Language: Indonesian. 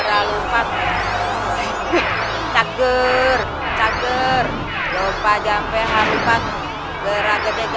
tuhan yang terbaik